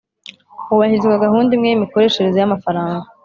hubahirizwa gahunda imwe y'imikoreshereze y'amafaranga.